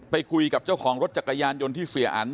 ไปคุยกับเจ้าของรถจักรยานยนต์ที่เสียอัน